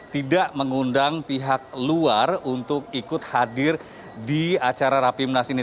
tidak mengundang pihak luar untuk ikut hadir di acara rapimnas ini